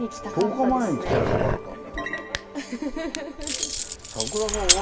１０日前に来てりゃよかったんだ。